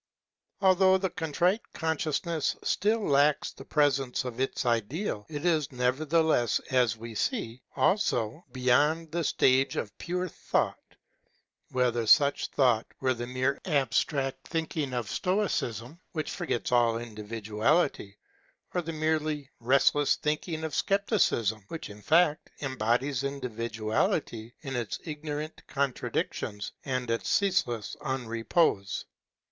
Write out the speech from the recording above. Although the Contrite Consciousness still lacks the presence of its Ideal, it is nevertheless as we see [also] beyond the stage of pure thought, whether such thought were the mere abstract thinking of Stoicism, which forgets all individuality, or the merely restless thinking of Scepticism, which in fact embodies individuality in its ignorant contradictions and its ceaseless unrepose.